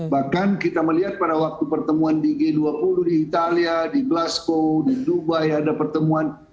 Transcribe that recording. bahkan kita melihat pada waktu pertemuan di g dua puluh di italia di blaskow di dubai ada pertemuan